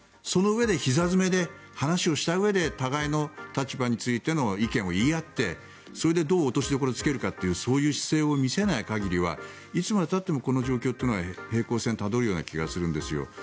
そのうえで、ひざ詰めで話をしたうえで互いの立場についての意見を言い合って、それでどう落としどころをつけるかというそういう姿勢を見せない限りはいつまでたってもこの状況は平行線をたどるような気がするんですよ。